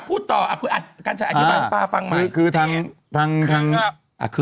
ป้าเก้า